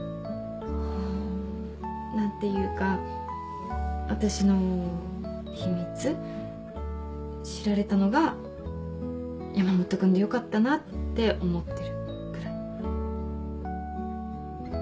ん何ていうか私の秘密知られたのが山本君でよかったなって思ってるぐらい。